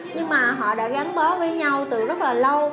nhưng mà họ đã gắn bó với nhau từ rất là lâu